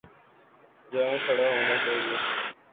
جہاں کھڑا ہونا چاہیے۔